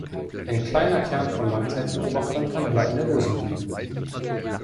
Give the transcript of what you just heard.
Ein kleiner Kern von Langzeitbeobachtern kann hier eine Lösung bieten.